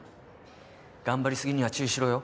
頑張りすぎには注意しろよ。